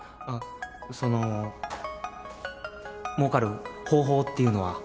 そのもうかる方法っていうのは。